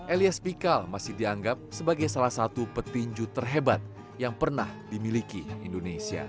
elias pikal masih dianggap sebagai salah satu petinju terhebat yang pernah dimiliki indonesia